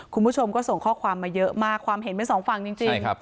คุณผู้ชมก็ส่งข้อความมาเยอะมากความเห็นเป็นสองฝั่งจริง